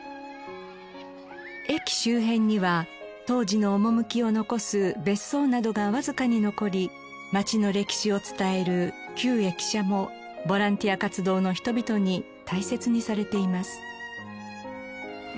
駅周辺には当時の趣を残す別荘などがわずかに残り町の歴史を伝える旧駅舎もボランティア活動の人々に大切にされています。